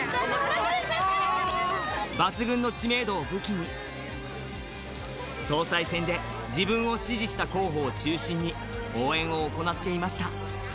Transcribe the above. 抜群の知名度を武器に、総裁選で自分を支持した候補を中心に、応援を行っていました。